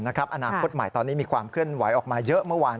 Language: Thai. อนาคตใหม่ตอนนี้มีความเคลื่อนไหวออกมาเยอะเมื่อวาน